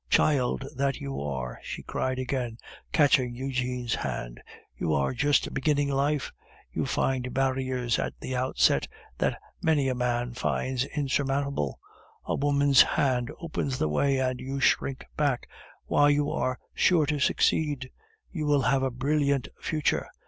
"Child that you are!" she cried again, catching Eugene's hand. "You are just beginning life; you find barriers at the outset that many a man finds insurmountable; a woman's hand opens the way and you shrink back! Why, you are sure to succeed! You will have a brilliant future.